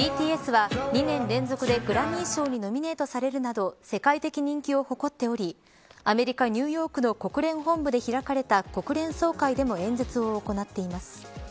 ＢＴＳは２年連続でグラミー賞にノミネートされるなど世界的人気を誇っておりアメリカ、ニューヨークの国連本部で開かれた国連総会でも演説を行っています。